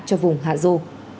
cho vùng hà dô